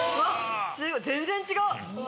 全然違う！